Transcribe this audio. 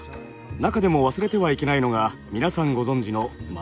中でも忘れてはいけないのが皆さんご存じのマニ車。